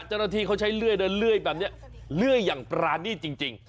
จริงเขาใช้เลื่อยเลื่อยปราณีจริง